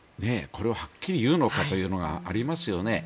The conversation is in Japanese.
これをはっきり言うのかというのがありますよね。